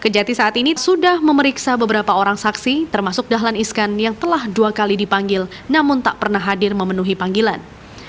kejati saat ini sudah memeriksa beberapa orang saksi termasuk dahlan iskan yang telah dua kali dipanggil namun tak pernah hadir memenuhi panggilan